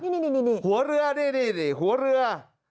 นี่หัวเรือนี่หัวเรือ